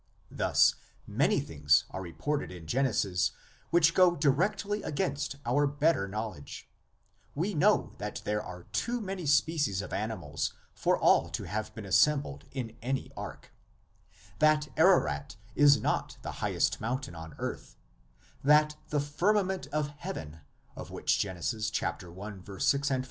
Thus many things are reported in Genesis which go directly against our better knowl edge: we know that there are too many species of animals for all to have been assembled in any ark; that Ararat is not the highest mountain on earth; that the "firmament of heaven," of which Genesis i. 6 ff.